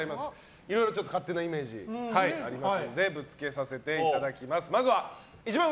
いろいろと勝手なイメージがありますのでぶつけさせていただきます。